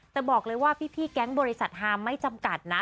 แต่บอกเลยว่าพี่แก๊งบริษัทฮามไม่จำกัดนะ